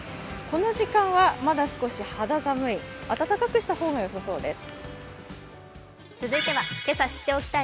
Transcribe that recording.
この時間は、まだ少し肌寒い、暖かくした方がよさそうです。